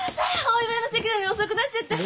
お祝いの席なのに遅くなっちゃって！